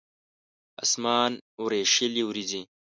اسمان وریشلې وریځې